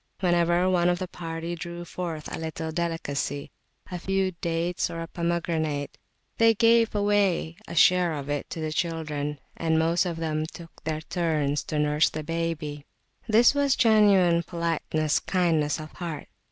Whenever one of the party drew forth a little delicacy a few dates or a pomegranate they gave away a share of it to the children, and most of them took their turns to nurse the baby. This was genuine politeness kindness of heart.